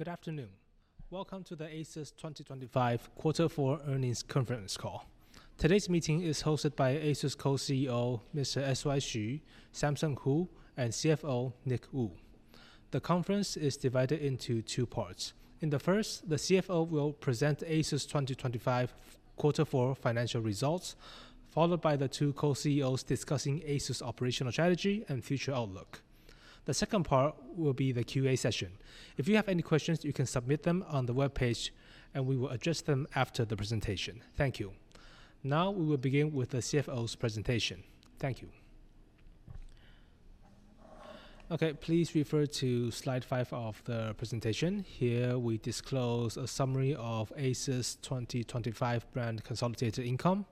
Good afternoon. Welcome to the ASUS 2025 quarter four earnings conference call. Today's meeting is hosted by ASUS Co-CEO, Mr. S.Y. Hsu, Samson Hu, and CFO Nick Wu. The conference is divided into two parts. In the first, the CFO will present ASUS 2025 quarter four financial results, followed by the two co-CEOs discussing ASUS operational strategy and future outlook. The second part will be the Q&A session. If you have any questions, you can submit them on the webpage and we will address them after the presentation. Thank you. Now, we will begin with the CFO's presentation. Thank you. Okay, please refer to slide 5 of the presentation. Here, we disclose a summary of ASUS 2025 brand consolidated income.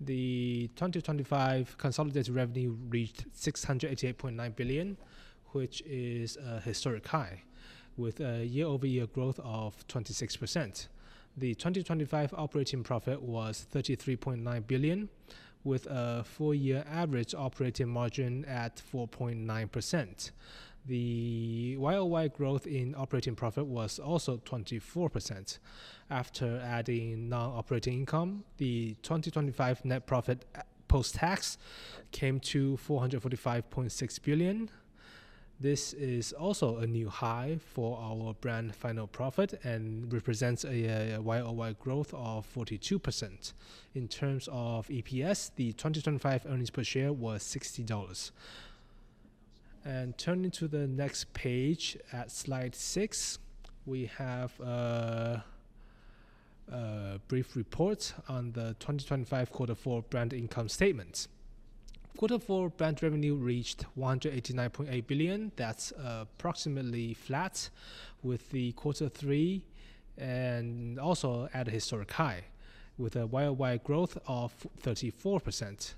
The 2025 consolidated revenue reached 688.9 billion, which is a historic high with a year-over-year growth of 26%. The 2025 operating profit was 33.9 billion, with a four year average operating margin at 4.9%. The YoY growth in operating profit was also 24%. After adding non-operating income, the 2025 net profit post-tax came to 445.6 billion. This is also a new high for our brand final profit and represents a YoY growth of 42%. In terms of EPS, the 2025 earnings per share was $60. Turning to the next page at Slide 6, we have a brief report on the 2025 quarter four brand income statements. Quarter four brand revenue reached 189.8 billion. That's approximately flat with the quarter three and also at a historic high with a YoY growth of 34%.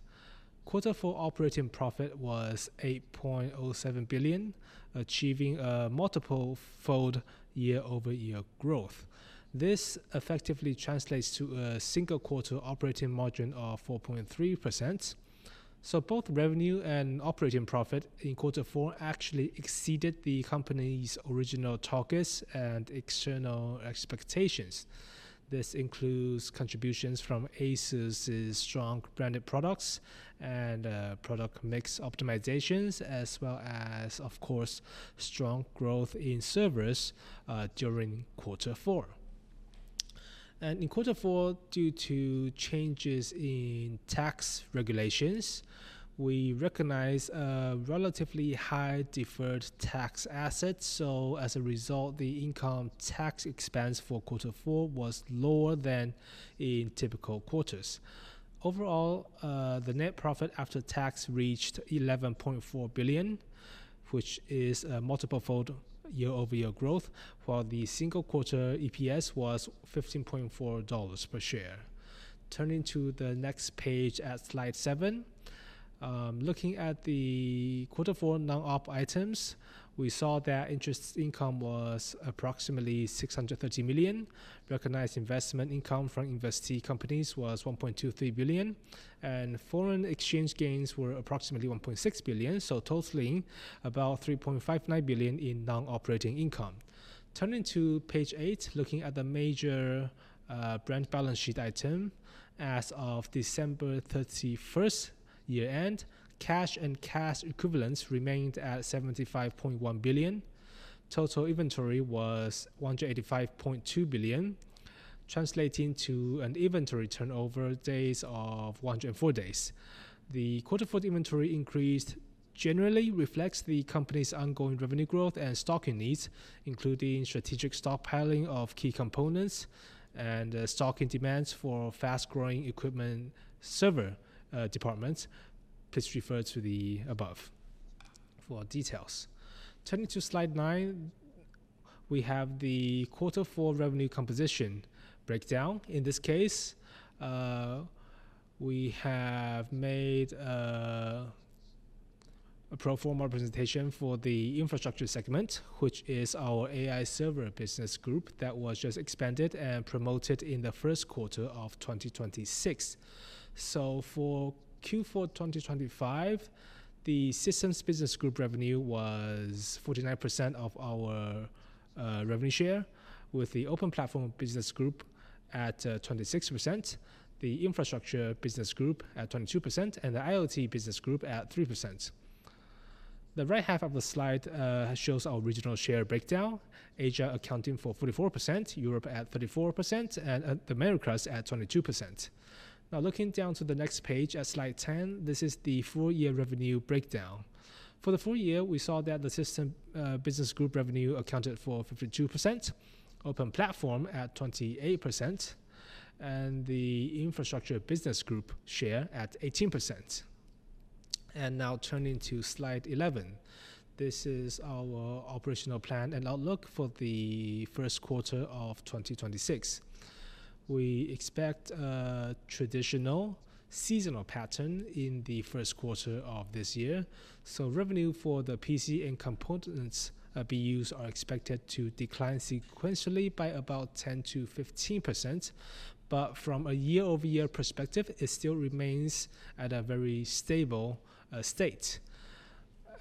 Quarter four operating profit was 8.07 billion, achieving a multiple-fold year-over-year growth. This effectively translates to a single quarter operating margin of 4.3%. Both revenue and operating profit in quarter four actually exceeded the company's original targets and external expectations. This includes contributions from ASUS' strong branded products and product mix optimizations, as well as, of course, strong growth in servers during quarter four. In quarter four, due to changes in tax regulations, we recognized a relatively high deferred tax asset. As a result, the income tax expense for quarter four was lower than in typical quarters. Overall, the net profit after tax reached 11.4 billion, which is a multiple-fold year-over-year growth, while the single quarter EPS was $15.4 per share. Turning to the next page at slide seven. Looking at the quarter four non-op items, we saw that interest income was approximately 630 million. Recognized investment income from investee companies was 1.23 billion, and foreign exchange gains were approximately 1.6 billion, so totaling about 3.59 billion in non-operating income. Turning to page eight, looking at the major brand balance sheet item. As of December 31, year-end, cash and cash equivalents remained at 75.1 billion. Total inventory was 185.2 billion, translating to an inventory turnover days of 104-days. The quarter four inventory increase generally reflects the company's ongoing revenue growth and stocking needs, including strategic stockpiling of key components and stocking demands for fast-growing equipment server departments. Please refer to the above for details. Turning to slide nine, we have the quarter four revenue composition breakdown. In this case, we have made a pro forma presentation for the infrastructure segment, which is our AI server business group that was just expanded and promoted in the first quarter of 2026. For Q4 2025, the Systems Business Group revenue was 49% of our revenue share, with the Open Platform Business Group at 26%, the Infrastructure Business Group at 22%, and the IoT Business Group at 3%. The right half of the slide shows our regional share breakdown. Asia accounting for 44%, Europe at 34%, and the Americas at 22%. Now looking down to the next page at Slide 10, this is the full year revenue breakdown. For the full year, we saw that the Systems Business Group revenue accounted for 52%, Open Platform at 28%, and the Infrastructure Business Group share at 18%. Now turning to Slide 11. This is our operational plan and outlook for the first quarter of 2026. We expect a traditional seasonal pattern in the first quarter of this year. Revenue for the PC and components BUs are expected to decline sequentially by about 10%-15%, but from a year-over-year perspective, it still remains at a very stable state.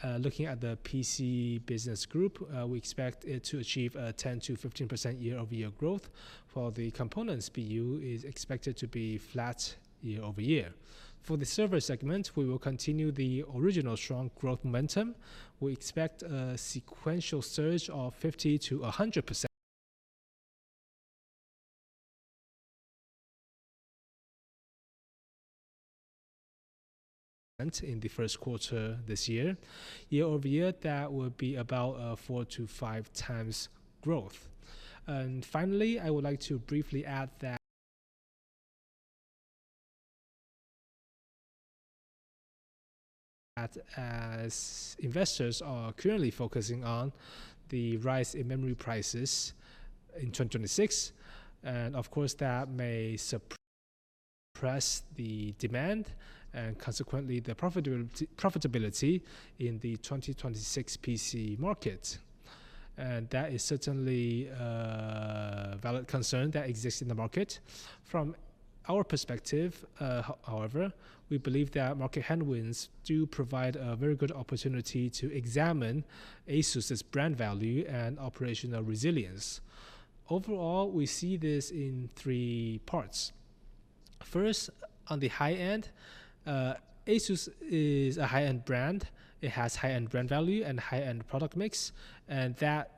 Looking at the PC Business Group, we expect it to achieve a 10%-15% year-over-year growth. For the components BU is expected to be flat year-over-year. For the server segment, we will continue the original strong growth momentum. We expect a sequential surge of 50%-100% in the first quarter this year. Year-over-year, that will be about 4-5 times growth. Finally, I would like to briefly add that as investors are currently focusing on the rise in memory prices in 2026, and of course, that may suppress the demand and consequently the profitability in the 2026 PC market. That is certainly a valid concern that exists in the market. From our perspective, however, we believe that market headwinds do provide a very good opportunity to examine ASUS's brand value and operational resilience. Overall, we see this in three parts. First, on the high end, ASUS is a high-end brand. It has high-end brand value and high-end product mix, and that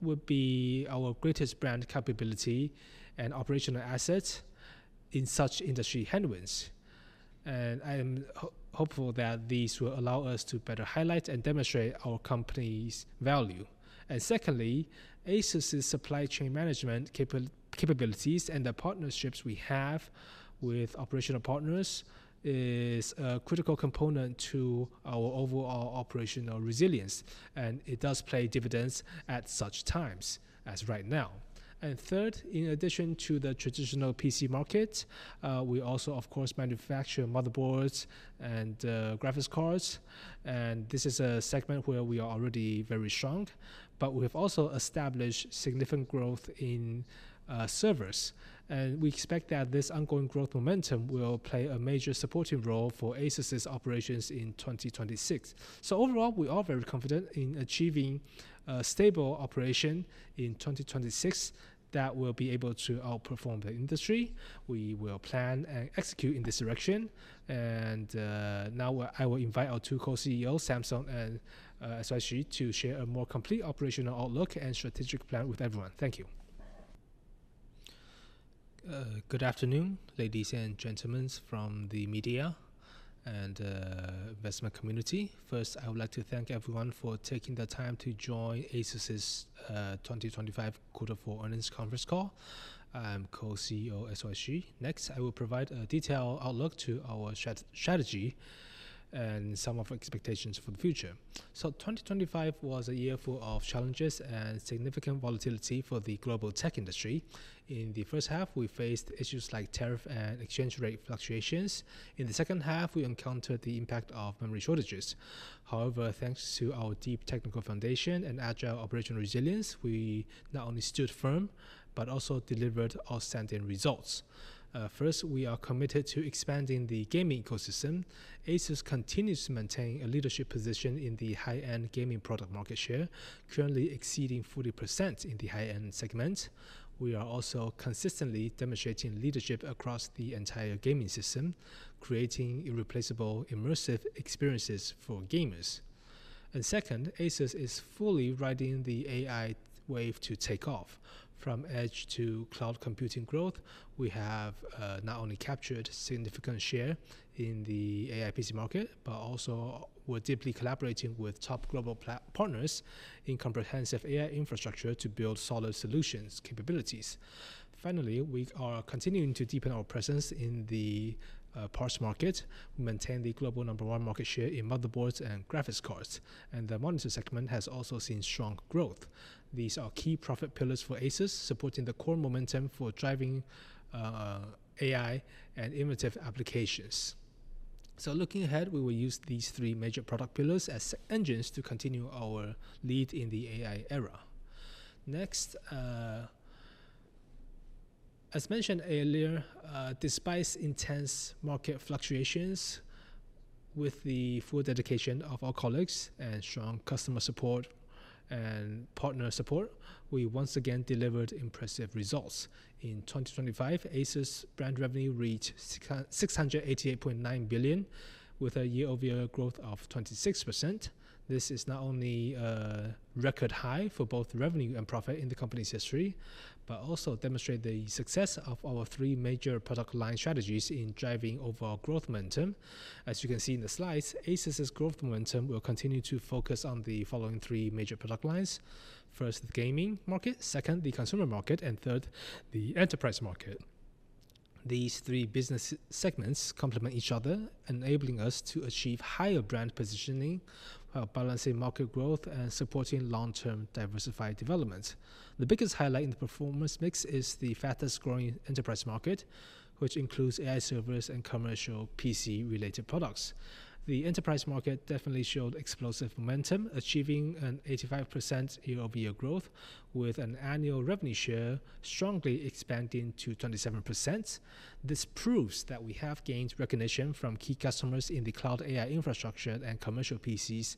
would be our greatest brand capability and operational asset in such industry headwinds. I am hopeful that these will allow us to better highlight and demonstrate our company's value. Secondly, ASUS's supply chain management capabilities and the partnerships we have with operational partners is a critical component to our overall operational resilience, and it does pay dividends at such times as right now. Third, in addition to the traditional PC market, we also of course manufacture motherboards and graphics cards. This is a segment where we are already very strong, but we've also established significant growth in servers. We expect that this ongoing growth momentum will play a major supportive role for ASUS's operations in 2026. Overall, we are very confident in achieving a stable operation in 2026 that will be able to outperform the industry. We will plan and execute in this direction. Now, I will invite our two co-CEOs, Samson and S.Y. Hsu to share a more complete operational outlook and strategic plan with everyone. Thank you. Good afternoon, ladies and gentlemen from the media and investment community. First, I would like to thank everyone for taking the time to join ASUS's 2025 quarter four earnings conference call. I'm co-CEO S.Y. Hsu. Next, I will provide a detailed outlook to our strategy and some of our expectations for the future. 2025 was a year full of challenges and significant volatility for the global tech industry. In the first half, we faced issues like tariff and exchange rate fluctuations. In the second half, we encountered the impact of memory shortages. However, thanks to our deep technical foundation and agile operational resilience, we not only stood firm but also delivered outstanding results. First, we are committed to expanding the gaming ecosystem. ASUS continues to maintain a leadership position in the high-end gaming product market share, currently exceeding 40% in the high-end segment. We are also consistently demonstrating leadership across the entire gaming system, creating irreplaceable, immersive experiences for gamers. Second, ASUS is fully riding the AI wave to take off. From edge to cloud computing growth, we have not only captured significant share in the AI PC market, but also we're deeply collaborating with top global partners in comprehensive AI infrastructure to build solid solutions capabilities. Finally, we are continuing to deepen our presence in the parts market. We maintain the global number one market share in motherboards and graphics cards, and the monitor segment has also seen strong growth. These are key profit pillars for ASUS, supporting the core momentum for driving AI and innovative applications. Looking ahead, we will use these three major product pillars as engines to continue our lead in the AI era. Next, as mentioned earlier, despite intense market fluctuations, with the full dedication of our colleagues and strong customer support and partner support, we once again delivered impressive results. In 2025, ASUS brand revenue reached 688.9 billion with a year-over-year growth of 26%. This is not only a record high for both revenue and profit in the company's history but also demonstrate the success of our three major product line strategies in driving overall growth momentum. As you can see in the slides, ASUS's growth momentum will continue to focus on the following three major product lines. First, the gaming market, second, the consumer market, and third, the enterprise market. These three business segments complement each other, enabling us to achieve higher brand positioning, while balancing market growth and supporting long-term diversified development. The biggest highlight in the performance mix is the fastest-growing enterprise market, which includes AI servers and commercial PC-related products. The enterprise market definitely showed explosive momentum, achieving an 85% year-over-year growth with an annual revenue share strongly expanding to 27%. This proves that we have gained recognition from key customers in the cloud AI infrastructure and commercial PCs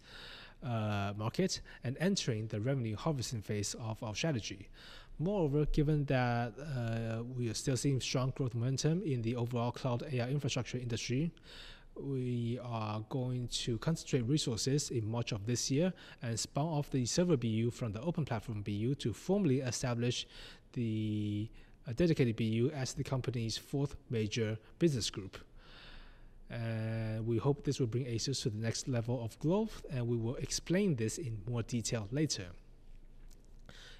market and entering the revenue harvesting phase of our strategy. Moreover, given that, we are still seeing strong growth momentum in the overall cloud AI infrastructure industry, we are going to concentrate resources in much of this year and spawn off the server BU from the open platform BU to formally establish the dedicated BU as the company's fourth major business group. We hope this will bring ASUS to the next level of growth, and we will explain this in more detail later.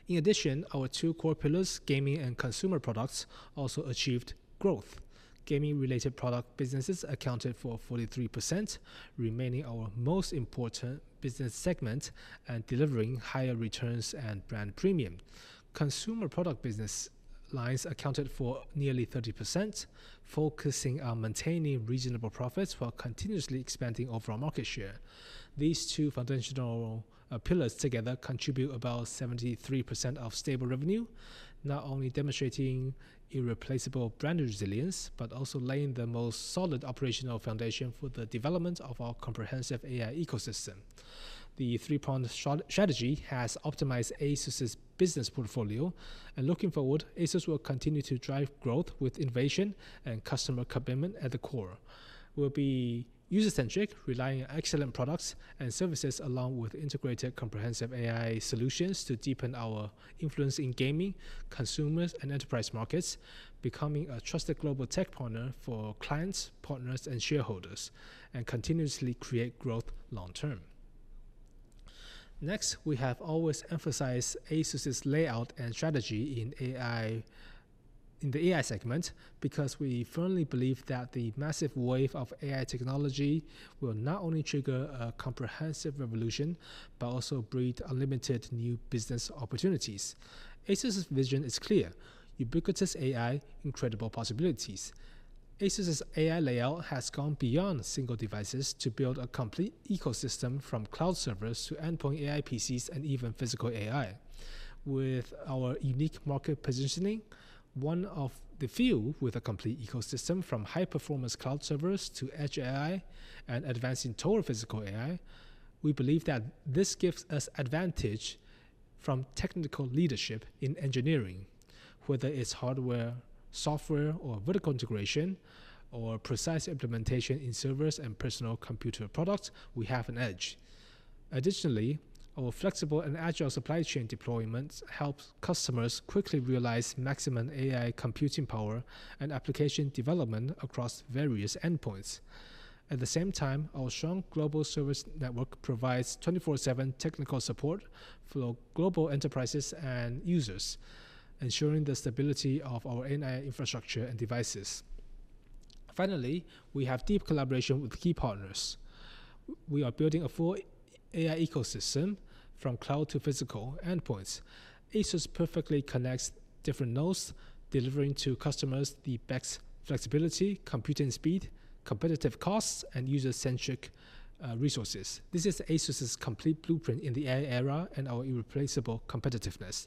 In addition, our two core pillars, gaming and consumer products, also achieved growth. Gaming-related product businesses accounted for 43%, remaining our most important business segment and delivering higher returns and brand premium. Consumer product business lines accounted for nearly 30%, focusing on maintaining reasonable profits while continuously expanding overall market share. These two foundational pillars together contribute about 73% of stable revenue, not only demonstrating irreplaceable brand resilience, but also laying the most solid operational foundation for the development of our comprehensive AI ecosystem. The three-pronged strategy has optimized ASUS's business portfolio. Looking forward, ASUS will continue to drive growth with innovation and customer commitment at the core. We'll be user-centric, relying on excellent products and services along with integrated comprehensive AI solutions to deepen our influence in gaming, consumers, and enterprise markets, becoming a trusted global tech partner for clients, partners, and shareholders, and continuously create growth long term. Next, we have always emphasized ASUS's layout and strategy in AI, in the AI segment, because we firmly believe that the massive wave of AI technology will not only trigger a comprehensive revolution, but also breed unlimited new business opportunities. ASUS's vision is clear, ubiquitous AI, incredible possibilities. ASUS's AI layout has gone beyond single devices to build a complete ecosystem from cloud servers to endpoint AI PCs and even physical AI. With our unique market positioning, one of the few with a complete ecosystem from high-performance cloud servers to edge AI and advancing total physical AI, we believe that this gives us advantage from technical leadership in engineering. Whether it's hardware, software, or vertical integration, or precise implementation in servers and personal computer products, we have an edge. Additionally, our flexible and agile supply chain deployments help customers quickly realize maximum AI computing power and application development across various endpoints. At the same time, our strong global service network provides 24/7 technical support for global enterprises and users, ensuring the stability of our AI infrastructure and devices. Finally, we have deep collaboration with key partners. We are building a full AI ecosystem from cloud to physical endpoints. ASUS perfectly connects different nodes, delivering to customers the best flexibility, computing speed, competitive costs, and user-centric resources. This is ASUS's complete blueprint in the AI era and our irreplaceable competitiveness.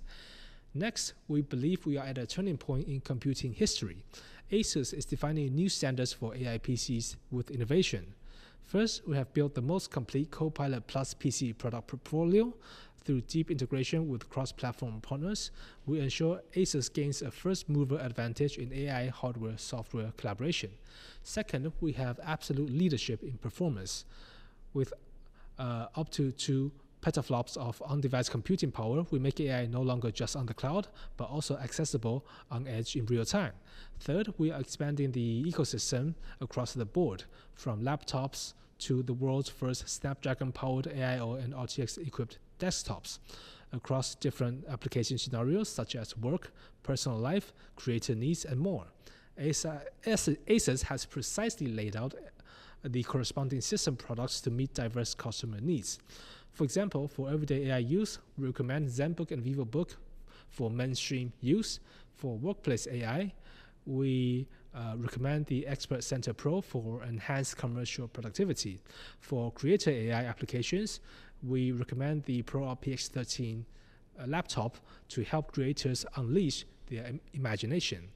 Next, we believe we are at a turning point in computing history. ASUS is defining new standards for AI PCs with innovation. First, we have built the most complete Copilot+ PC product portfolio. Through deep integration with cross-platform partners, we ensure ASUS gains a first-mover advantage in AI hardware-software collaboration. Second, we have absolute leadership in performance. With up to two petaFLOPS of on-device computing power, we make AI no longer just on the cloud, but also accessible on edge in real time. Third, we are expanding the ecosystem across the board, from laptops to the world's first Snapdragon-powered AIO and RTX-equipped desktops. Across different application scenarios such as work, personal life, creator needs, and more, ASUS has precisely laid out the corresponding system products to meet diverse customer needs. For example, for everyday AI use, we recommend Zenbook and VivoBook for mainstream use. For workplace AI, we recommend the ExpertCenter Pro for enhanced commercial productivity. For creator AI applications, we recommend the ProArt PX13 laptop to help creators unleash their imagination.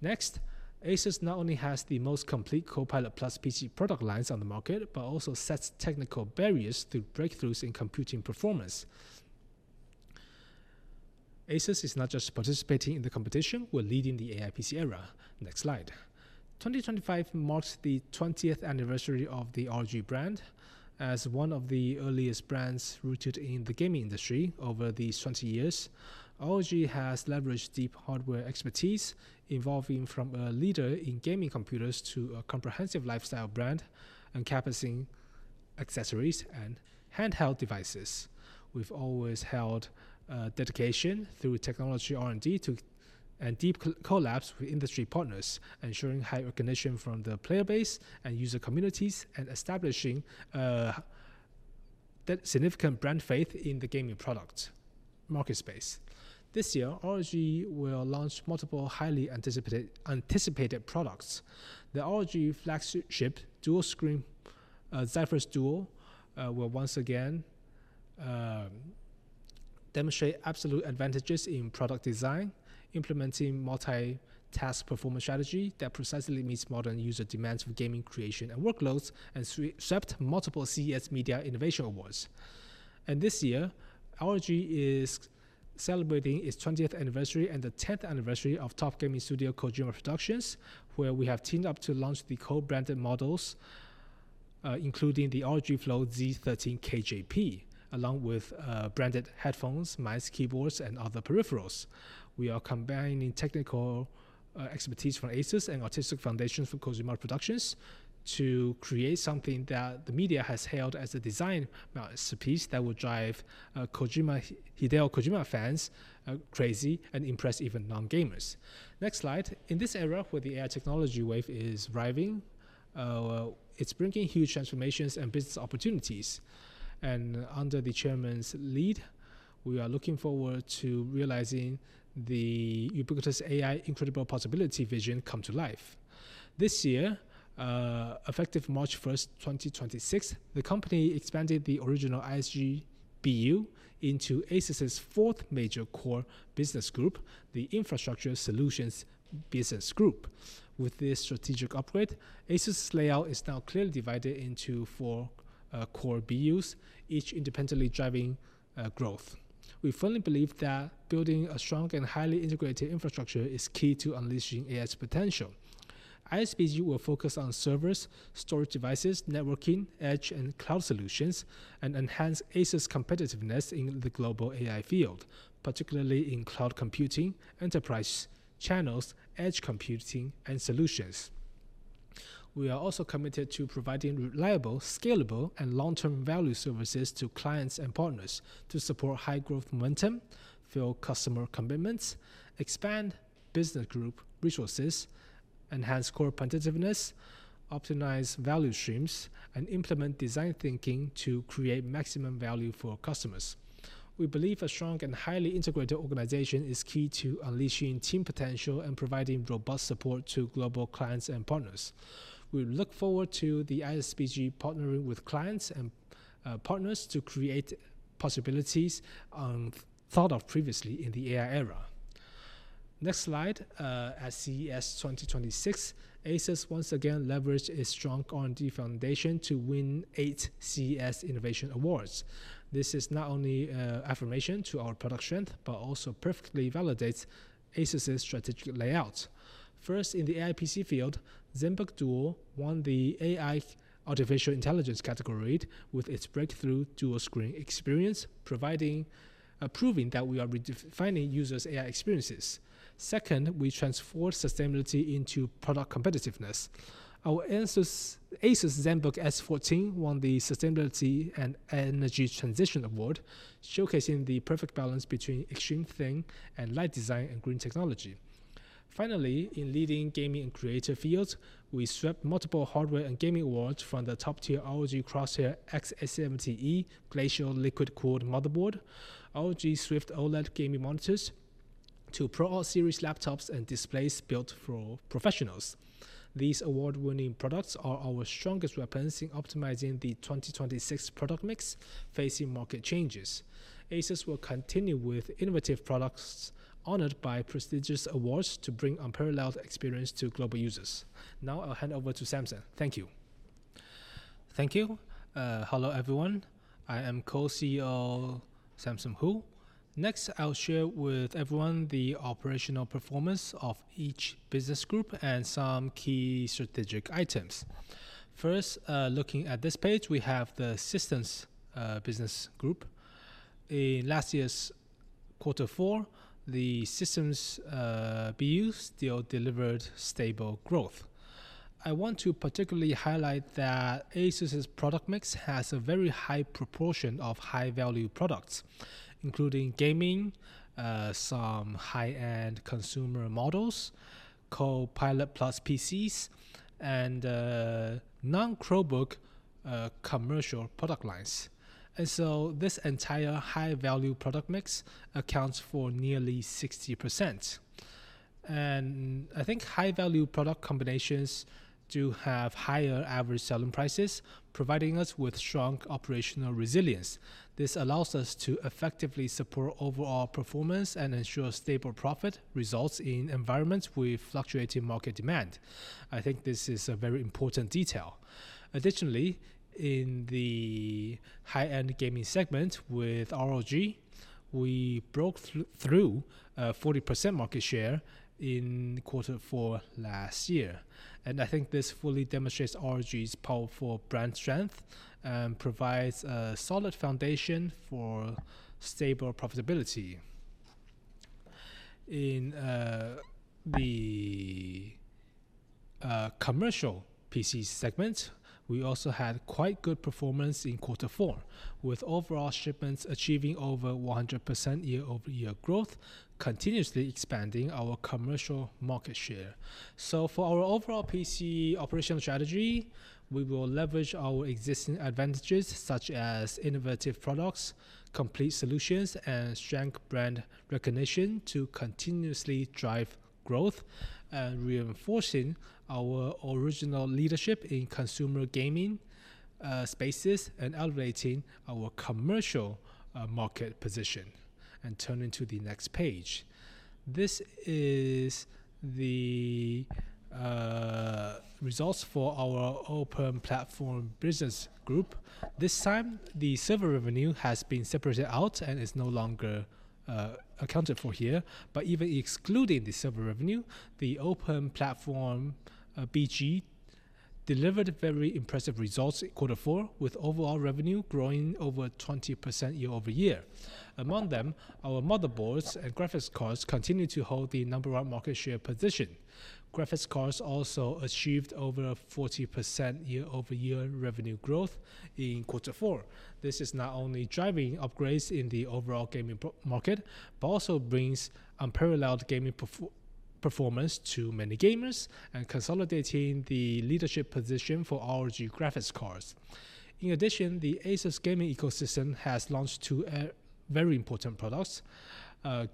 Next, ASUS not only has the most complete Copilot+ PC product lines on the market, but also sets technical barriers through breakthroughs in computing performance. ASUS is not just participating in the competition, we're leading the AI PC era. Next slide. 2025 marks the 20th anniversary of the ROG brand. As one of the earliest brands rooted in the gaming industry, over these 20-years, ROG has leveraged deep hardware expertise, evolving from a leader in gaming computers to a comprehensive lifestyle brand, encompassing accessories, and handheld devices. We've always held dedication through technology R&D and deep collaborations with industry partners, ensuring high recognition from the player base and user communities and establishing that significant brand faith in the gaming product market space. This year, ROG will launch multiple highly anticipated products. The ROG flagship dual-screen Zephyrus Duo will once again demonstrate absolute advantages in product design, implementing multitask performance strategy that precisely meets modern user demands for gaming creation and workloads, and swept multiple CES Innovation Awards. This year, ROG is celebrating its 20th anniversary and the 10th anniversary of top gaming studio Kojima Productions, where we have teamed up to launch the co-branded models, including the ROG Flow Z13-KJP, along with branded headphones, mice, keyboards, and other peripherals. We are combining technical expertise from ASUS and artistic foundations from Kojima Productions to create something that the media has hailed as a design masterpiece that will drive Hideo Kojima fans crazy and impress even non-gamers. Next slide. In this era where the AI technology wave is arriving, it's bringing huge transformations and business opportunities. Under the chairman's lead, we are looking forward to realizing the ubiquitous AI incredible possibility vision come to life. This year, effective March 1, 2026, the company expanded the original ISG BU into ASUS's fourth major core business group, the Infrastructure Solutions Business Group. With this strategic upgrade, ASUS's layout is now clearly divided into four core BUs, each independently driving growth. We firmly believe that building a strong and highly integrated infrastructure is key to unleashing AI's potential. ISBG will focus on servers, storage devices, networking, edge and cloud solutions, and enhance ASUS competitiveness in the global AI field, particularly in cloud computing, enterprise channels, edge computing and solutions. We are also committed to providing reliable, scalable, and long-term value services to clients and partners to support high-growth momentum, fill customer commitments, expand business group resources, enhance core competitiveness, optimize value streams, and implement design thinking to create maximum value for customers. We believe a strong and highly integrated organization is key to unleashing team potential and providing robust support to global clients and partners. We look forward to the ISBG partnering with clients and partners to create possibilities thought of previously in the AI era. Next slide. At CES 2026, ASUS once again leveraged its strong R&D foundation to win eight CES Innovation Awards. This is not only an affirmation to our product strength, but also perfectly validates ASUS's strategic layout. First, in the AI PC field, Zenbook Duo won the AI artificial intelligence category with its breakthrough dual-screen experience, proving that we are redefining users' AI experiences. Second, we transformed sustainability into product competitiveness. Our ASUS Zenbook S14 won the Sustainability and Energy Transition Award, showcasing the perfect balance between extreme thin and light design and green technology. Finally, in leading gaming and creative fields, we swept multiple hardware and gaming awards from the top-tier ROG Crosshair X670E Glacial Liquid-Cooled Motherboard, ROG Swift OLED gaming monitors to ProArt series laptops and displays built for professionals. These award-winning products are our strongest weapons in optimizing the 2026 product mix facing market changes. ASUS will continue with innovative products honored by prestigious awards to bring unparalleled experience to global users. Now I'll hand over to Samson. Thank you. Hello, everyone. I am Co-CEO Samson Hu. Next, I'll share with everyone the operational performance of each business group and some key strategic items. First, looking at this page, we have the Systems Business Group. In last year's quarter four, the Systems BU still delivered stable growth. I want to particularly highlight that ASUS's product mix has a very high proportion of high-value products, including gaming, some high-end consumer models, Copilot+ PCs, and non-Chromebook commercial product lines. This entire high-value product mix accounts for nearly 60%. I think high-value product combinations do have higher average selling prices, providing us with strong operational resilience. This allows us to effectively support overall performance and ensure stable profit results in environments with fluctuating market demand. I think this is a very important detail. Additionally, in the high-end gaming segment with ROG, we broke through 40% market share in quarter four last year. I think this fully demonstrates ROG's powerful brand strength and provides a solid foundation for stable profitability. In the commercial PC segment, we also had quite good performance in quarter four, with overall shipments achieving over 100% year-over-year growth, continuously expanding our commercial market share. For our overall PC operational strategy, we will leverage our existing advantages such as innovative products, complete solutions and strong brand recognition to continuously drive growth and reinforcing our original leadership in consumer gaming spaces and elevating our commercial market position. Turning to the next page. This is the results for our Open Platform Business Group. This time, the server revenue has been separated out and is no longer accounted for here. Even excluding the server revenue, the open platform BG delivered very impressive results in quarter four, with overall revenue growing over 20% year-over-year. Among them, our motherboards and graphics cards continue to hold the number one market share position. Graphics cards also achieved over 40% year-over-year revenue growth in quarter four. This is not only driving upgrades in the overall gaming PC market, but also brings unparalleled gaming performance to many gamers and consolidating the leadership position for ROG graphics cards. In addition, the ASUS gaming ecosystem has launched two very important products,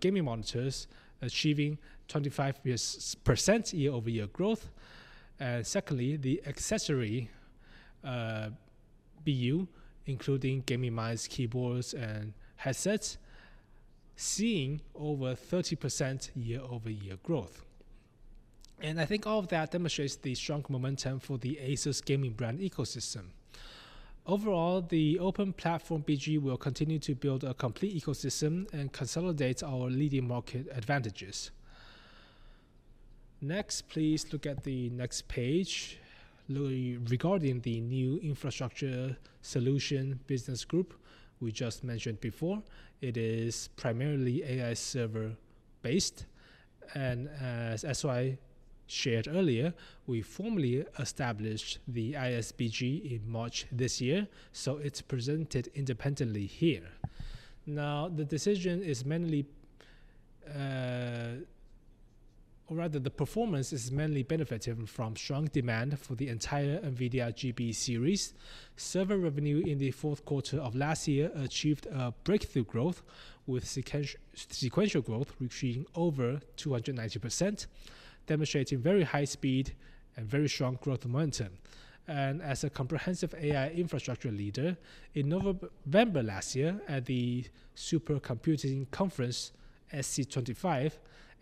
gaming monitors achieving 25% year-over-year growth. Secondly, the accessory BU, including gaming mice, keyboards and headsets, seeing over 30% year-over-year growth. I think all of that demonstrates the strong momentum for the ASUS gaming ecosystem. Overall, the open platform BG will continue to build a complete ecosystem and consolidate our leading market advantages. Next, please look at the next page. Regarding the new infrastructure solution business group we just mentioned before. It is primarily AI server based. As I shared earlier, we formally established the ISBG in March this year, so it's presented independently here. Now, the performance is mainly benefited from strong demand for the entire NVIDIA GB series. Server revenue in the fourth quarter of last year achieved a breakthrough growth with sequential growth reaching over 290%, demonstrating very high speed and very strong growth momentum. As a comprehensive AI infrastructure leader, in November last year at the Supercomputing Conference, SC25,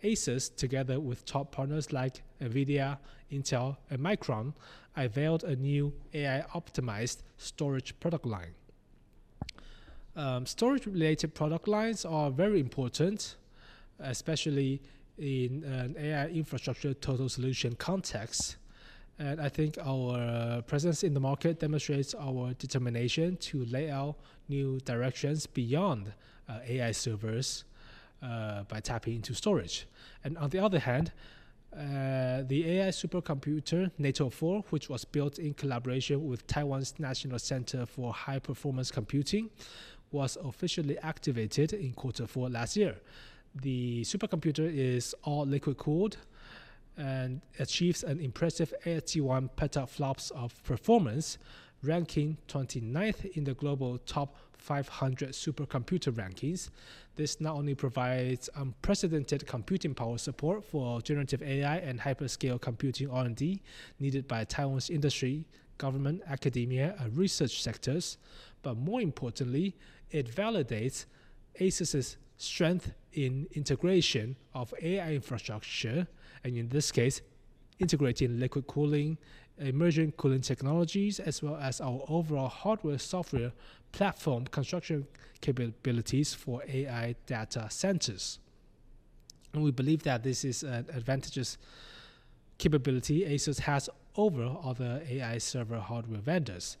ASUS, together with top partners like NVIDIA, Intel and Micron, unveiled a new AI optimized storage product line. Storage related product lines are very important, especially in an AI infrastructure total solution context. I think our presence in the market demonstrates our determination to lay out new directions beyond AI servers by tapping into storage. On the other hand, the AI supercomputer, Nano4, which was built in collaboration with Taiwan's National Center for High-Performance Computing, was officially activated in quarter four last year. The supercomputer is all liquid cooled and achieves an impressive 81 petaFLOPS of performance, ranking 29th in the global TOP500 supercomputer rankings. This not only provides unprecedented computing power support for generative AI and hyperscale computing R&D needed by Taiwan's industry, government, academia, and research sectors, but more importantly, it validates ASUS's strength in integration of AI infrastructure. In this case, integrating liquid cooling, immersion cooling technologies, as well as our overall hardware, software, platform construction capabilities for AI data centers. We believe that this is an advantageous capability ASUS has over other AI server hardware vendors.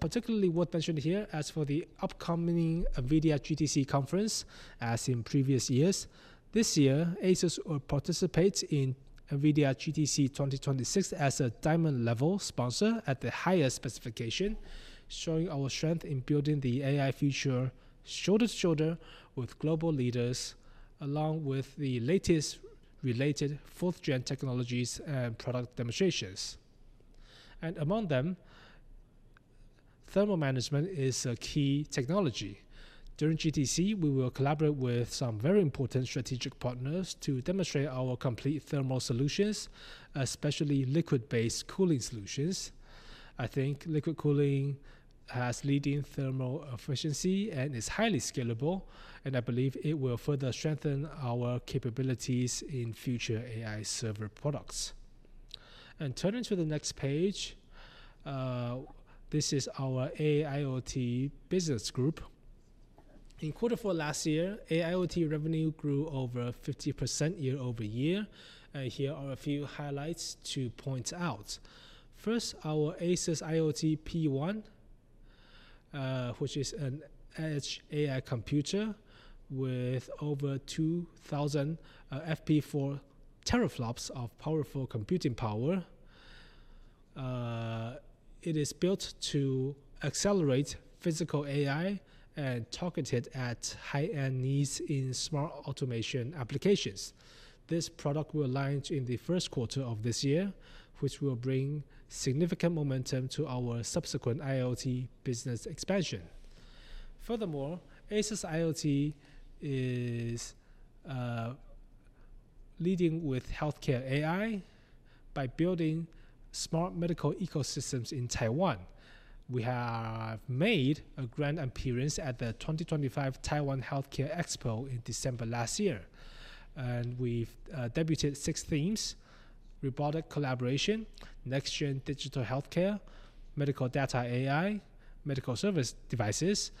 Particularly worth mentioning here as for the upcoming NVIDIA GTC conference, as in previous years, this year, ASUS will participate in NVIDIA GTC 2026 as a diamond level sponsor at the highest specification, showing our strength in building the AI future shoulder to shoulder with global leaders, along with the latest related fourth gen technologies and product demonstrations. Among them, thermal management is a key technology. During GTC, we will collaborate with some very important strategic partners to demonstrate our complete thermal solutions, especially liquid-based cooling solutions. I think liquid cooling has leading thermal efficiency and is highly scalable, and I believe it will further strengthen our capabilities in future AI server products. Turning to the next page, this is our AIoT business group. In quarter four last year, AIoT revenue grew over 50% year-over-year. Here are a few highlights to point out. First, our ASUS IoT PE1100N, which is an edge AI computer with over 2000 FP4 teraflops of powerful computing power. It is built to accelerate physical AI and targeted at high-end needs in smart automation applications. This product will launch in the first quarter of this year, which will bring significant momentum to our subsequent IoT business expansion. Furthermore, ASUS IoT is leading with healthcare AI by building smart medical ecosystems in Taiwan. We have made a grand appearance at the 2025 Healthcare+ Expo Taiwan in December last year. We've debuted six themes, robotic collaboration, next-gen digital healthcare, medical data AI, medical service devices,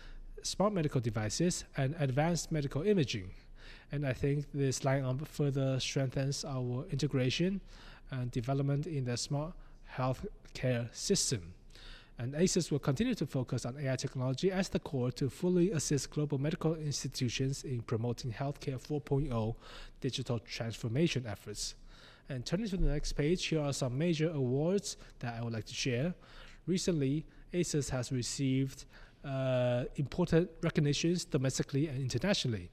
smart medical devices, and advanced medical imaging. I think this lineup further strengthens our integration and development in the smart healthcare system. ASUS will continue to focus on AI technology as the core to fully assist global medical institutions in promoting Healthcare 4.0 digital transformation efforts. Turning to the next page, here are some major awards that I would like to share. Recently, ASUS has received important recognitions domestically and internationally,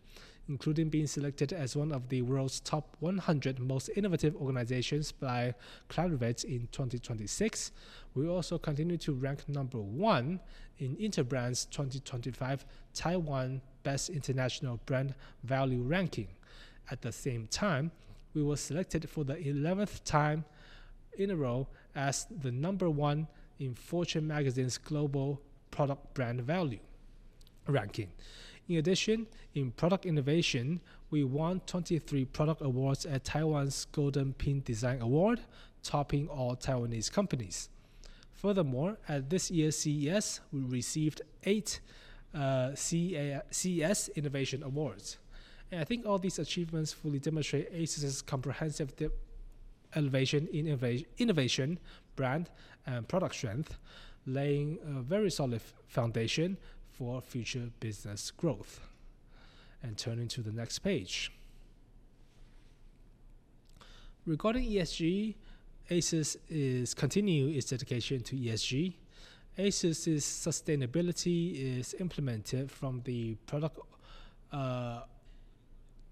including being selected as one of the world's top 100 most innovative organizations by Clarivate in 2026. We also continue to rank number one in Interbrand's 2025 Best Taiwan Global Brands ranking. At the same time, we were selected for the 11th time in a row as the number one in Fortune Magazine's Global Product Brand Value Ranking. In addition, in product innovation, we won 23 product awards at Taiwan's Golden Pin Design Award, topping all Taiwanese companies. Furthermore, at this year's CES, we received eight CES Innovation Awards. I think all these achievements fully demonstrate ASUS' comprehensive development, innovation, brand, and product strength, laying a very solid foundation for future business growth. Turning to the next page. Regarding ESG, ASUS is continuing its dedication to ESG. ASUS's sustainability is implemented from the product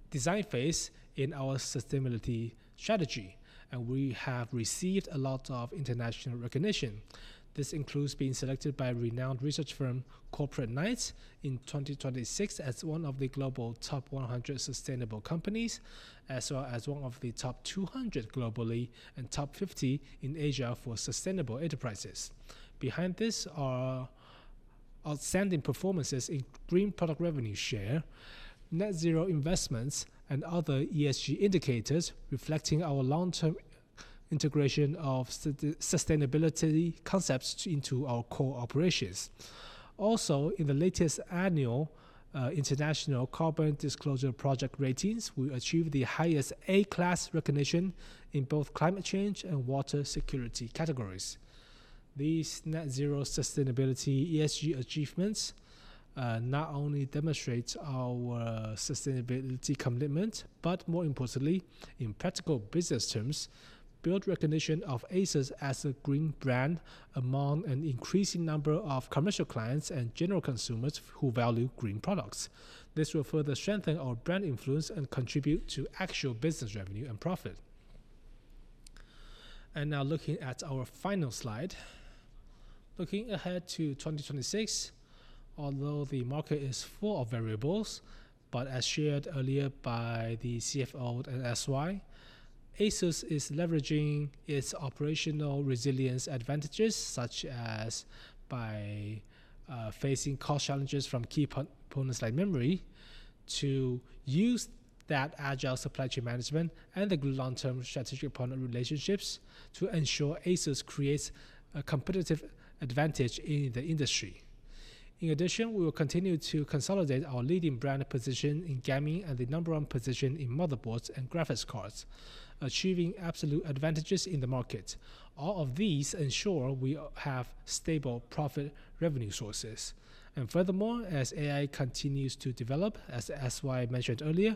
design phase in our sustainability strategy, and we have received a lot of international recognition. This includes being selected by renowned research firm Corporate Knights in 2026 as one of the global top 100 sustainable companies, as well as one of the top 200 globally and top 50 in Asia for sustainable enterprises. Behind this are outstanding performances in green product revenue share, net zero investments, and other ESG indicators reflecting our long-term integration of sustainability concepts into our core operations. Also, in the latest annual International Carbon Disclosure Project ratings, we achieved the highest A-class recognition in both climate change and water security categories. These net zero sustainability ESG achievements not only demonstrates our sustainability commitment, but more importantly, in practical business terms, build recognition of ASUS as a green brand among an increasing number of commercial clients and general consumers who value green products. This will further strengthen our brand influence and contribute to actual business revenue and profit. Now looking at our final slide. Looking ahead to 2026, although the market is full of variables, but as shared earlier by the CFO and S.Y., ASUS is leveraging its operational resilience advantages, such as by facing cost challenges from key components like memory, to use that agile supply chain management and the good long-term strategic partner relationships to ensure ASUS creates a competitive advantage in the industry. In addition, we will continue to consolidate our leading brand position in gaming and the number one position in motherboards and graphics cards, achieving absolute advantages in the market. All of these ensure we have stable profit revenue sources. Furthermore, as AI continues to develop, as S.Y. mentioned earlier,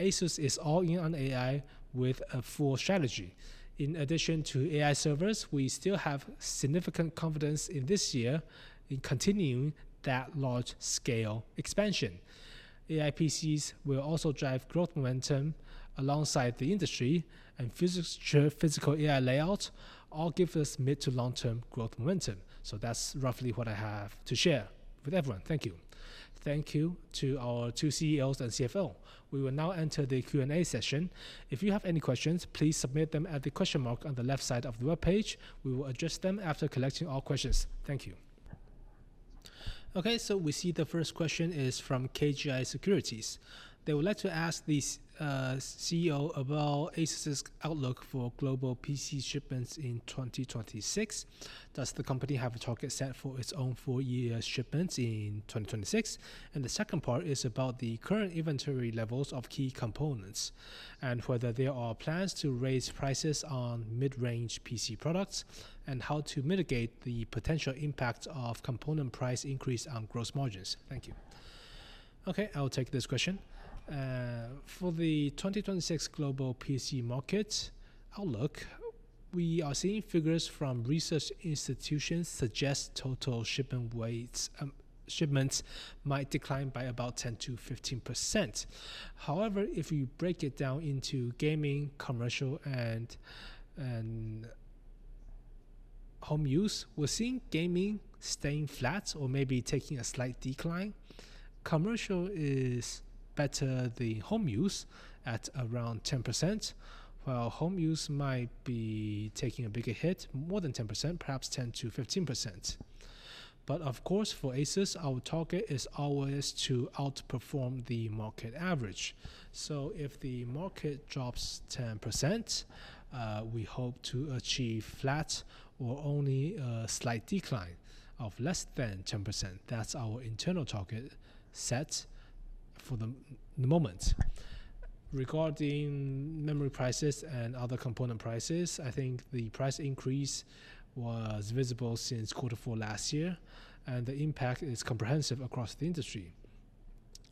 ASUS is all in on AI with a full strategy. In addition to AI servers, we still have significant confidence in this year in continuing that large-scale expansion. AI PCs will also drive growth momentum alongside the industry and physical AI layout all give us mid to long-term growth momentum. That's roughly what I have to share with everyone. Thank you. Thank you to our two CEOs and CFO. We will now enter the Q&A session. If you have any questions, please submit them at the question mark on the left side of the webpage. We will address them after collecting all questions. Thank you. Okay, so we see the first question is from KGI Securities. They would like to ask the CEO about ASUS' outlook for global PC shipments in 2026. Does the company have a target set for its own full-year shipments in 2026? The second part is about the current inventory levels of key components, and whether there are plans to raise prices on mid-range PC products, and how to mitigate the potential impact of component price increase on gross margins. Thank you. Okay, I'll take this question. For the 2026 global PC market outlook, we are seeing figures from research institutions suggest total shipments might decline by about 10%-15%. However, if you break it down into gaming, commercial and home use, we're seeing gaming staying flat or maybe taking a slight decline. Commercial is better. The home use at around 10%, while home use might be taking a bigger hit, more than 10%, perhaps 10%-15%. Of course, for ASUS, our target is always to outperform the market average. If the market drops 10%, we hope to achieve flat or only a slight decline of less than 10%. That's our internal target set for the moment. Regarding memory prices and other component prices, I think the price increase was visible since quarter four last year, and the impact is comprehensive across the industry.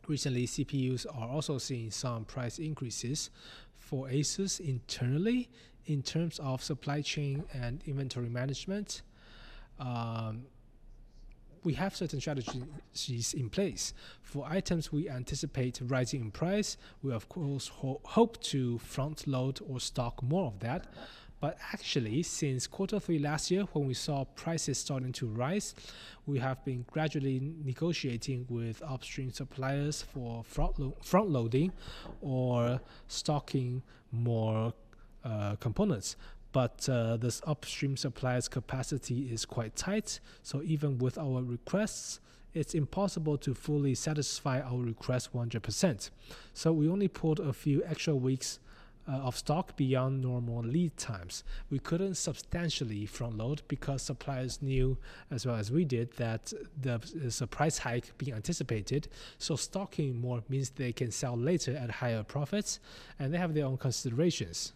Recently, CPUs are also seeing some price increases. For ASUS internally, in terms of supply chain and inventory management, we have certain strategies in place. For items we anticipate rising in price, we of course hope to front load or stock more of that. Actually, since quarter three last year, when we saw prices starting to rise, we have been gradually negotiating with upstream suppliers for front loading or stocking more components. This upstream suppliers' capacity is quite tight, so even with our requests, it's impossible to fully satisfy our request 100%. We only pulled a few extra weeks of stock beyond normal lead times. We couldn't substantially front load because suppliers knew, as well as we did, that there's a price hike being anticipated. Stocking more means they can sell later at higher profits, and they have their own considerations.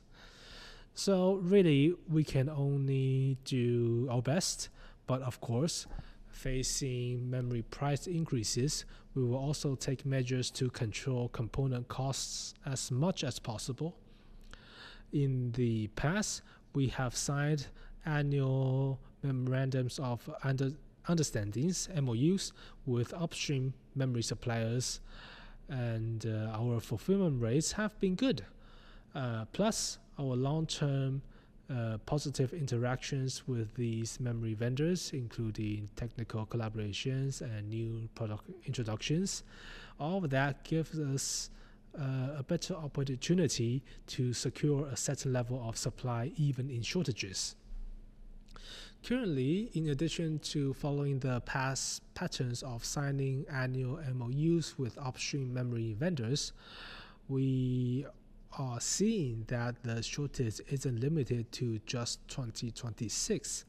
Really, we can only do our best. Of course, facing memory price increases, we will also take measures to control component costs as much as possible. In the past, we have signed annual memorandums of understanding, MOUs, with upstream memory suppliers, and our fulfillment rates have been good. Plus our long-term positive interactions with these memory vendors, including technical collaborations and new product introductions. All of that gives us a better opportunity to secure a certain level of supply, even in shortages. Currently, in addition to following the past patterns of signing annual MOUs with upstream memory vendors, we are seeing that the shortage isn't limited to just 2026.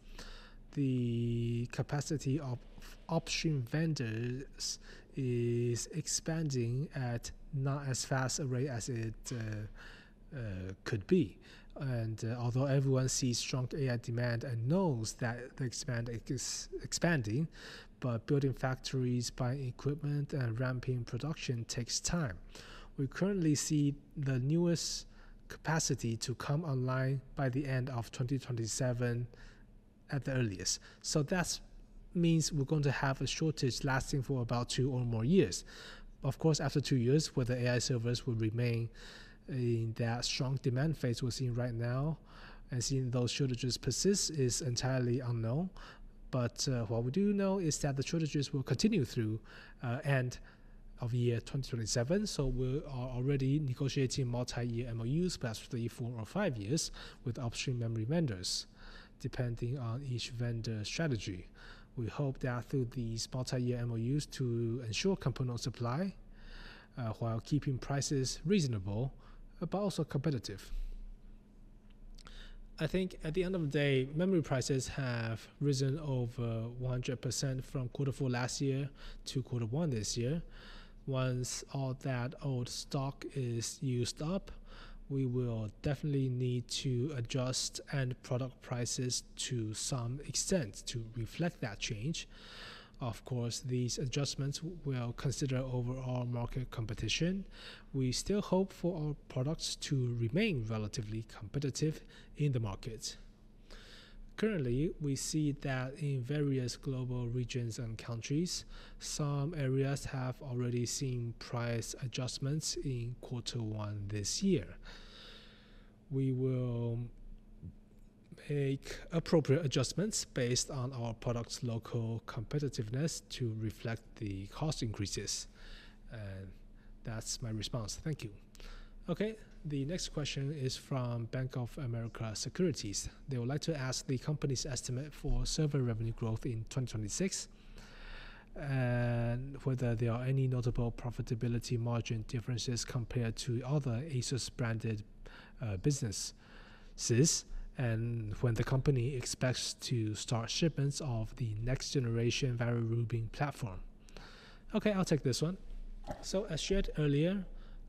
The capacity of upstream vendors is expanding at not as fast a rate as it could be. Although everyone sees strong AI demand and knows that the expansion is expanding, but building factories, buying equipment, and ramping production takes time. We currently see the newest capacity to come online by the end of 2027 at the earliest. That means we're going to have a shortage lasting for about two or more years. Of course, after two years, whether AI servers will remain in that strong demand phase we're seeing right now and seeing those shortages persist is entirely unknown. What we do know is that the shortages will continue through end of year 2027. We are already negotiating multi-year MOUs, possibly four or five years, with upstream memory vendors, depending on each vendor strategy. We hope that through these multi-year MOUs to ensure component supply, while keeping prices reasonable but also competitive. I think at the end of the day, memory prices have risen over 100% from quarter four last year to quarter one this year. Once all that old stock is used up, we will definitely need to adjust end product prices to some extent to reflect that change. Of course, these adjustments will consider overall market competition. We still hope for our products to remain relatively competitive in the market. Currently, we see that in various global regions and countries, some areas have already seen price adjustments in quarter one this year. We will make appropriate adjustments based on our product's local competitiveness to reflect the cost increases. That's my response. Thank you. Okay. The next question is from Bank of America Securities. They would like to ask the company's estimate for server revenue growth in 2026, and whether there are any notable profitability margin differences compared to other ASUS branded businesses, and when the company expects to start shipments of the next generation Vera Rubin platform. Okay, I'll take this one. As shared earlier,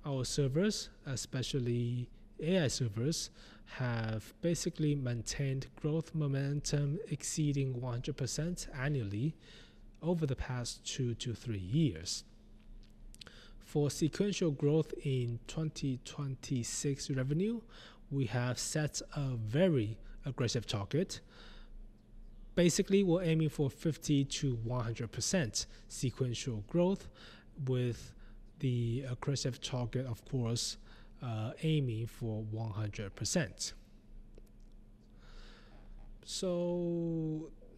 our servers, especially AI servers, have basically maintained growth momentum exceeding 100% annually over the past two to three years. For sequential growth in 2026 revenue, we have set a very aggressive target. Basically, we're aiming for 50%-100% sequential growth with the aggressive target, of course, aiming for 100%.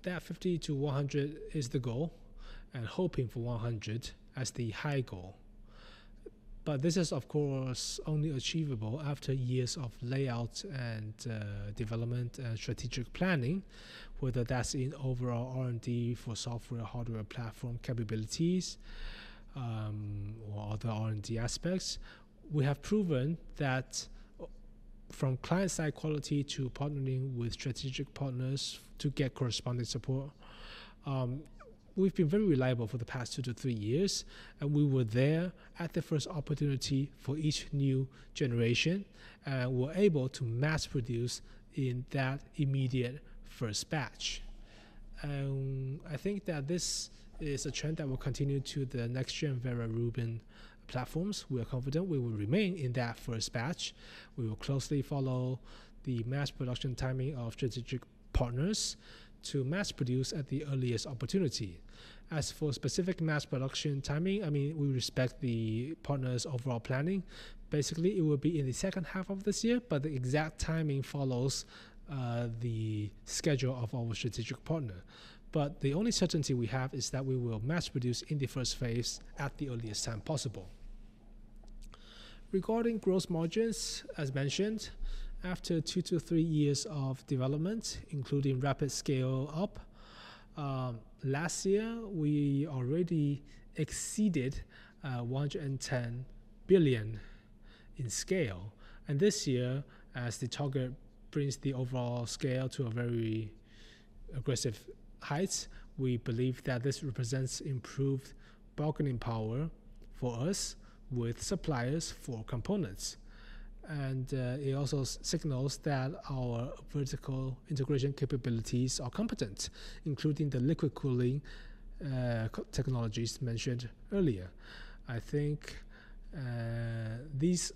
That 50%-100% is the goal and hoping for 100% as the high goal. This is of course, only achievable after years of layout and development and strategic planning, whether that's in overall R&D for software, hardware, platform capabilities, or other R&D aspects. We have proven that from client-side quality to partnering with strategic partners to get corresponding support, we've been very reliable for the past two to three years, and we were there at the first opportunity for each new generation, and we're able to mass produce in that immediate first batch. I think that this is a trend that will continue to the next gen Vera Rubin platforms. We are confident we will remain in that first batch. We will closely follow the mass production timing of strategic partners to mass produce at the earliest opportunity. As for specific mass production timing, I mean, we respect the partners' overall planning. Basically, it will be in the second half of this year, but the exact timing follows the schedule of our strategic partner. The only certainty we have is that we will mass produce in the first phase at the earliest time possible. Regarding gross margins, as mentioned, after two to three years of development, including rapid scale up, last year, we already exceeded 110 billion in scale. This year, as the target brings the overall scale to a very aggressive height, we believe that this represents improved bargaining power for us with suppliers for components. It also signals that our vertical integration capabilities are competent, including the liquid cooling technologies mentioned earlier. I think these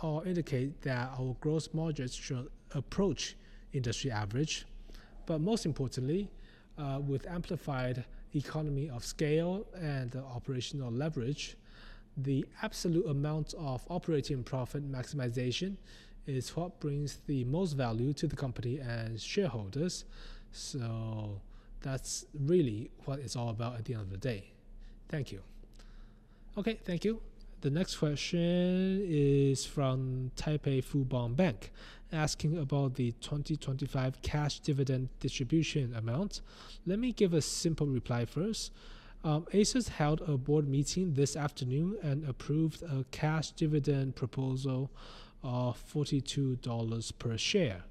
all indicate that our gross margins should approach industry average. Most importantly, with amplified economy of scale and the operational leverage, the absolute amount of operating profit maximization is what brings the most value to the company and shareholders. That's really what it's all about at the end of the day. Thank you. Okay. Thank you. The next question is from Taipei Fubon Bank, asking about the 2025 cash dividend distribution amount. Let me give a simple reply first. ASUS held a board meeting this afternoon and approved a cash dividend proposal of 42 dollars per share.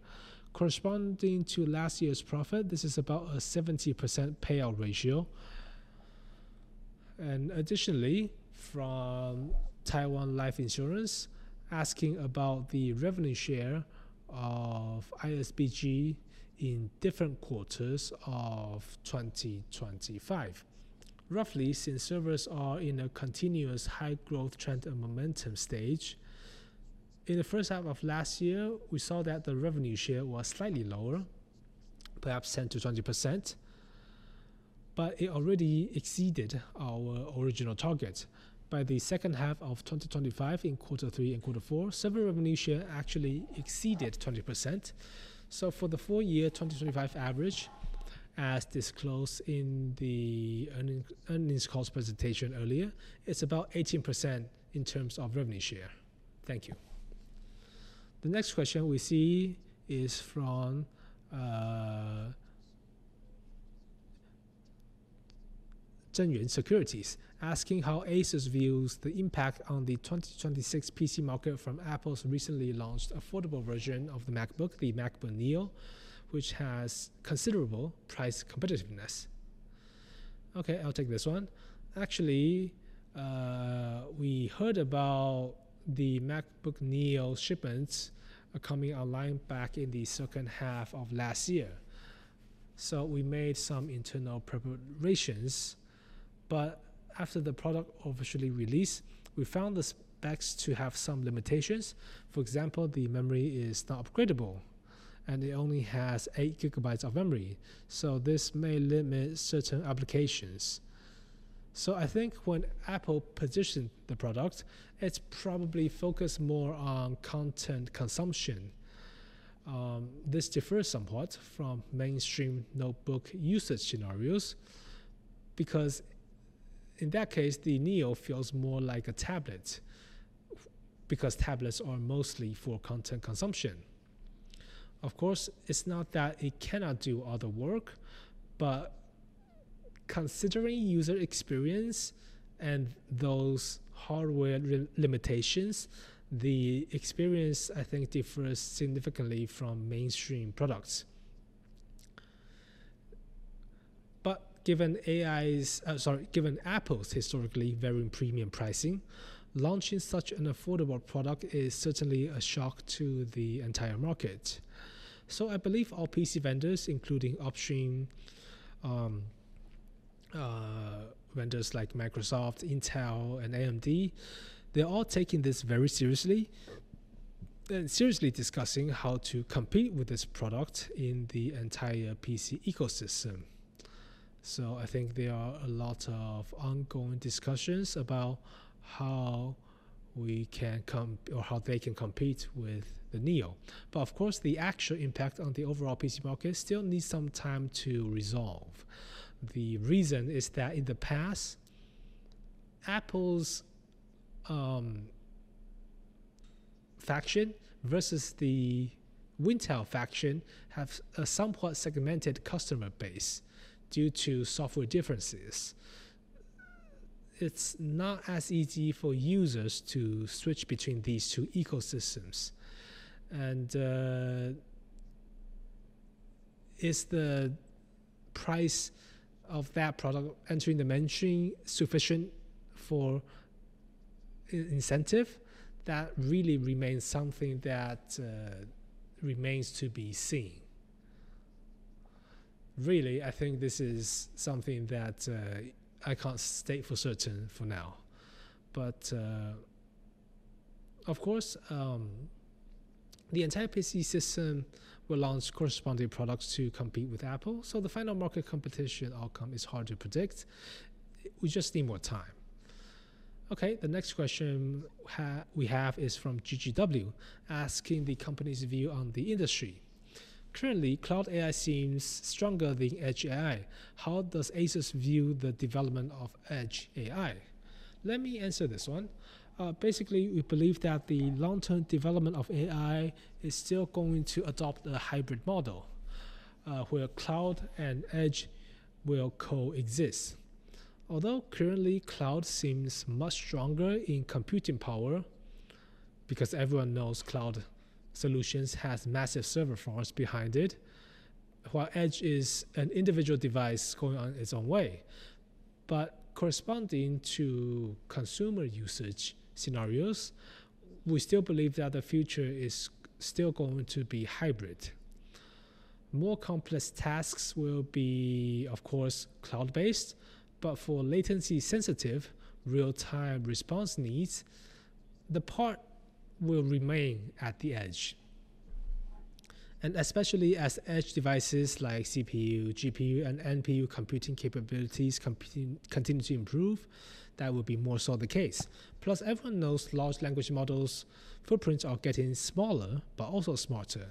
Corresponding to last year's profit, this is about a 70% payout ratio. Additionally, from Taiwan Life Insurance, asking about the revenue share of ISBG in different quarters of 2025. Roughly, since servers are in a continuous high growth trend and momentum stage, in the first half of last year, we saw that the revenue share was slightly lower, perhaps 10%-20%, but it already exceeded our original target. By the second half of 2025 in quarter three and quarter four, server revenue share actually exceeded 20%. For the full year 2025 average, as disclosed in the earnings calls presentation earlier, it's about 18% in terms of revenue share. Thank you. The next question we see is from Yuanta Securities, asking how ASUS views the impact on the 2026 PC market from Apple's recently launched affordable version of the MacBook, the MacBook Neo, which has considerable price competitiveness. Okay, I'll take this one. Actually, we heard about the MacBook Neo shipments coming online back in the second half of last year. We made some internal preparations, but after the product officially released, we found the specs to have some limitations. For example, the memory is not upgradable, and it only has 8 GB of memory. This may limit certain applications. I think when Apple positioned the product, it's probably focused more on content consumption. This differs somewhat from mainstream notebook usage scenarios, because in that case, the Neo feels more like a tablet because tablets are mostly for content consumption. Of course, it's not that it cannot do other work, but considering user experience and those hardware limitations, the experience, I think, differs significantly from mainstream products. Given Apple's historically very premium pricing, launching such an affordable product is certainly a shock to the entire market. I believe our PC vendors, including upstream vendors like Microsoft, Intel, and AMD, they're all taking this very seriously, discussing how to compete with this product in the entire PC ecosystem. I think there are a lot of ongoing discussions about how we can or how they can compete with the Neo. Of course, the actual impact on the overall PC market still needs some time to resolve. The reason is that in the past, Apple's faction versus the Wintel faction have a somewhat segmented customer base due to software differences. It's not as easy for users to switch between these two ecosystems. Is the price of that product entering the mainstream sufficient for incentive? That really remains something that remains to be seen. Really, I think this is something that I can't state for certain for now, but of course, the entire PC system will launch corresponding products to compete with Apple. The final market competition outcome is hard to predict. We just need more time. Okay. The next question we have is from GGW, asking the company's view on the industry. Currently, cloud AI seems stronger than edge AI. How does ASUS view the development of edge AI? Let me answer this one. Basically, we believe that the long-term development of AI is still going to adopt a hybrid model, where cloud and edge will coexist. Although currently, cloud seems much stronger in computing power because everyone knows cloud solutions has massive server farms behind it, while edge is an individual device going on its own way. Corresponding to consumer usage scenarios, we still believe that the future is still going to be hybrid. More complex tasks will be, of course, cloud-based, but for latency-sensitive real-time response needs, the part will remain at the edge. Especially as edge devices like CPU, GPU, and NPU computing capabilities continue to improve, that will be more so the case. Plus, everyone knows large language models' footprints are getting smaller but also smarter.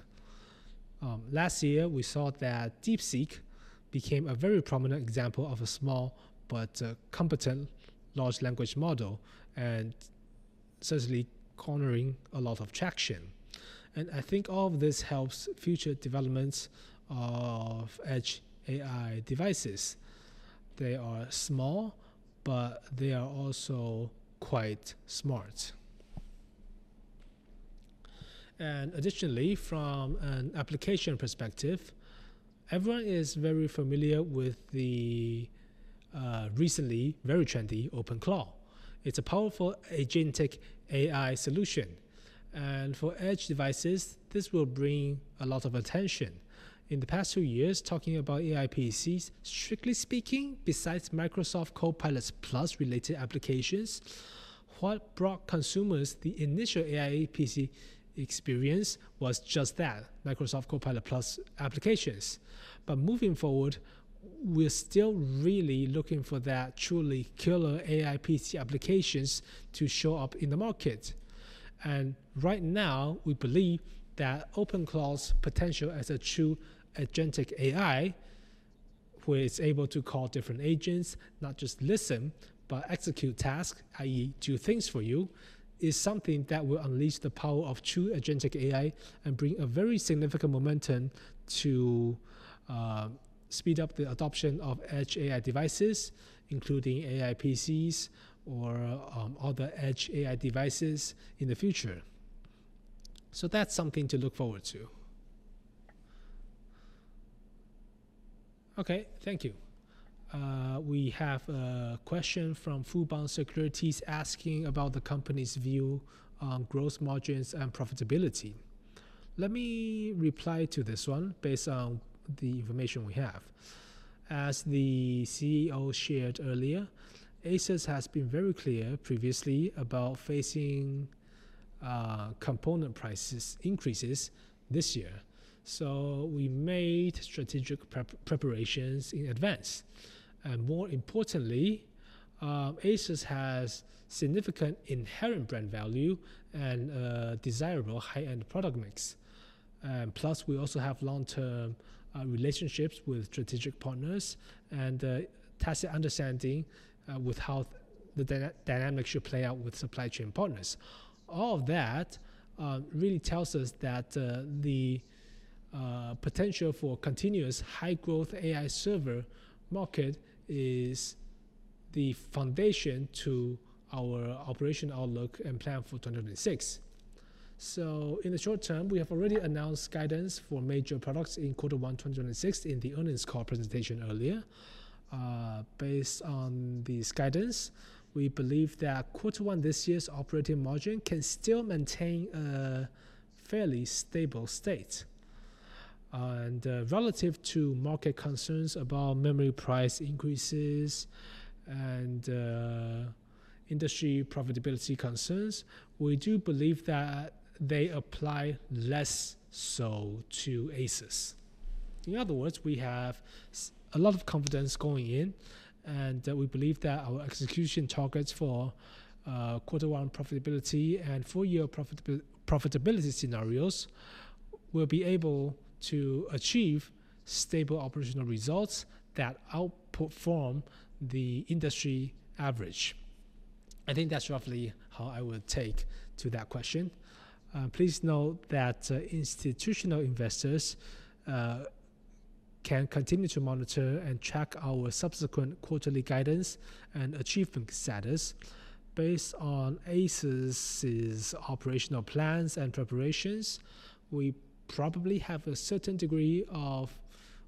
Last year, we saw that DeepSeek became a very prominent example of a small but competent large language model and certainly garnering a lot of traction. I think all of this helps future developments of edge AI devices. They are small, but they are also quite smart. Additionally, from an application perspective, everyone is very familiar with the recently very trendy Claude. It's a powerful agentic AI solution. For edge devices, this will bring a lot of attention. In the past two years, talking about AI PCs, strictly speaking, besides Microsoft Copilot+ related applications, what brought consumers the initial AI PC experience was just that, Microsoft Copilot+ applications. Moving forward, we're still really looking for that truly killer AI PC applications to show up in the market. Right now, we believe that OpenAI's potential as a true agentic AI, where it's able to call different agents, not just listen, but execute tasks, i.e., do things for you, is something that will unleash the power of true agentic AI and bring a very significant momentum to speed up the adoption of edge AI devices, including AI PCs or other edge AI devices in the future. That's something to look forward to. Okay. Thank you. We have a question from Fubon Securities asking about the company's view on growth margins and profitability. Let me reply to this one based on the information we have. As the CEO shared earlier, ASUS has been very clear previously about facing component price increases this year. We made strategic preparations in advance. More importantly, ASUS has significant inherent brand value and desirable high-end product mix. We also have long-term relationships with strategic partners and a tacit understanding with how the dynamics should play out with supply chain partners. All of that really tells us that the potential for continuous high-growth AI server market is the foundation to our operational outlook and plan for 2026. In the short term, we have already announced guidance for major products in quarter one 2026 in the earnings call presentation earlier. Based on this guidance, we believe that quarter one this year's operating margin can still maintain a fairly stable state. Relative to market concerns about memory price increases and industry profitability concerns, we do believe that they apply less so to ASUS. In other words, we have a lot of confidence going in, and we believe that our execution targets for quarter one profitability and full year profitability scenarios will be able to achieve stable operational results that outperform the industry average. I think that's roughly how I would talk to that question. Please note that institutional investors can continue to monitor and track our subsequent quarterly guidance and achievement status based on ASUS's operational plans and preparations. We probably have a certain degree of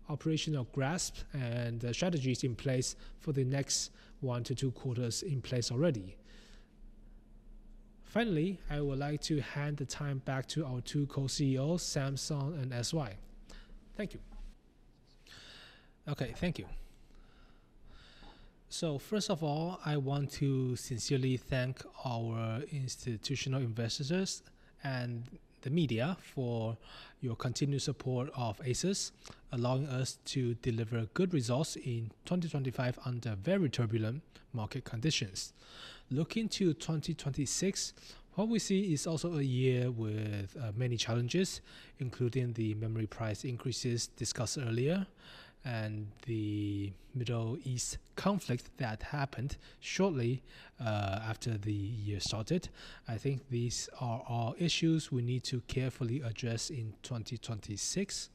operational grasp and strategies in place for the next one to two quarters in place already. Finally, I would like to hand the time back to our two Co-CEOs, Samson and S.Y., Thank you. Okay, thank you. First of all, I want to sincerely thank our institutional investors and the media for your continued support of ASUS, allowing us to deliver good results in 2025 under very turbulent market conditions. Looking to 2026, what we see is also a year with many challenges, including the memory price increases discussed earlier and the Middle East conflict that happened shortly after the year started. I think these are all issues we need to carefully address in 2026.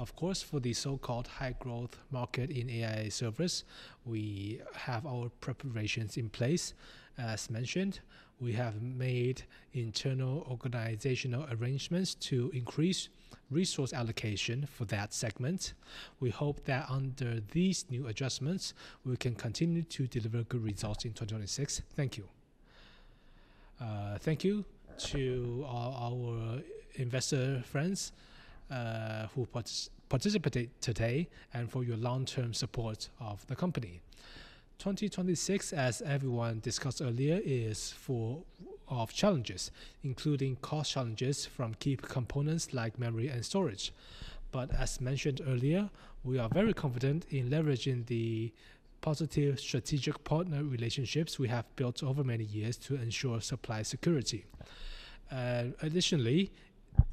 Of course, for the so-called high growth market in AI servers, we have our preparations in place. As mentioned, we have made internal organizational arrangements to increase resource allocation for that segment. We hope that under these new adjustments, we can continue to deliver good results in 2026. Thank you. Thank you to our investor friends who participated today and for your long-term support of the company. 2026, as everyone discussed earlier, is full of challenges, including cost challenges from key components like memory and storage. As mentioned earlier, we are very confident in leveraging the positive strategic partner relationships we have built over many years to ensure supply security. Additionally,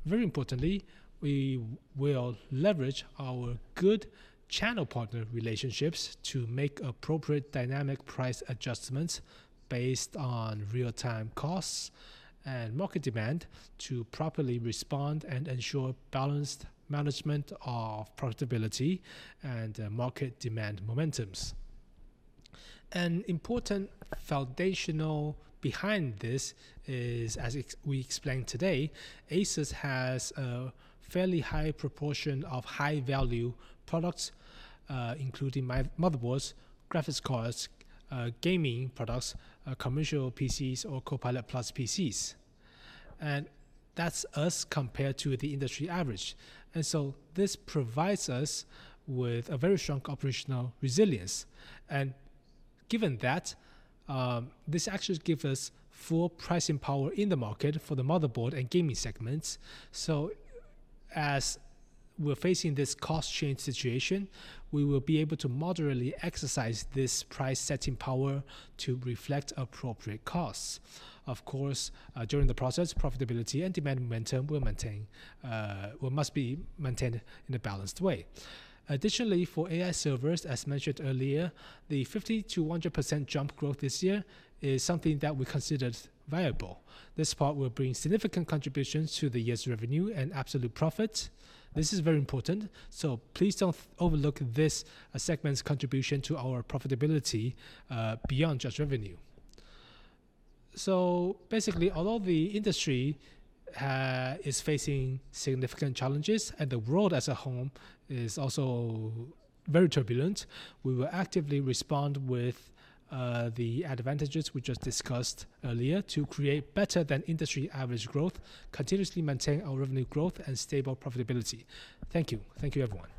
very importantly, we will leverage our good channel partner relationships to make appropriate dynamic price adjustments based on real-time costs and market demand to properly respond and ensure balanced management of profitability and market demand momentums. An important foundation behind this is, as we explained today, ASUS has a fairly high proportion of high-value products, including motherboards, graphics cards, gaming products, commercial PCs or Copilot+ PCs. That's us compared to the industry average. This provides us with a very strong operational resilience. Given that, this actually give us full pricing power in the market for the motherboard and gaming segments. As we're facing this cost change situation, we will be able to moderately exercise this price setting power to reflect appropriate costs. Of course, during the process, profitability and demand momentum will maintain or must be maintained in a balanced way. Additionally, for AI servers, as mentioned earlier, the 50%-100% jump growth this year is something that we considered viable. This part will bring significant contributions to the year's revenue and absolute profit. This is very important, so please don't overlook this segment's contribution to our profitability, beyond just revenue. Basically, although the industry is facing significant challenges and the world as a whole is also very turbulent, we will actively respond with the advantages we just discussed earlier to create better than industry average growth, continuously maintain our revenue growth and stable profitability. Thank you. Thank you, everyone.